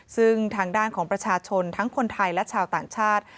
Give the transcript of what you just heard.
ซึ่งทางด้านของประชาชนทั้งคนไทยและชาวต่างชาติ